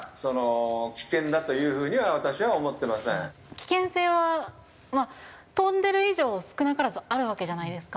危険性はまあ飛んでる以上少なからずあるわけじゃないですか。